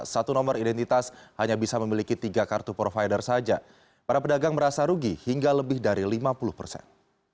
satu nomor identitas hanya bisa memiliki tiga kartu provider saja para pedagang merasa rugi hingga lebih dari lima puluh persen